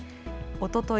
おととい